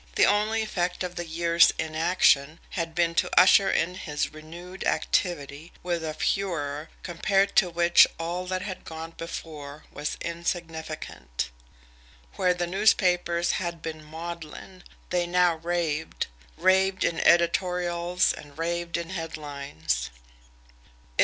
The only effect of the year's inaction had been to usher in his renewed activity with a furor compared to which all that had gone before was insignificant. Where the newspapers had been maudlin, they now raved raved in editorials and raved in headlines.